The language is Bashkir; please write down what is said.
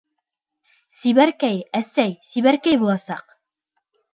— Сибәркәй, әсәй, Сибәркәй буласаҡ!